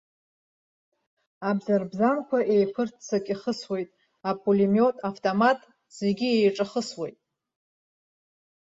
Абзарбзанқәа еиқәырццак ихысуеит, апулемиот, автомат зегь еиҿахысуеит.